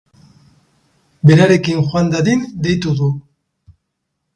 Berarekin joan dadin deitu du.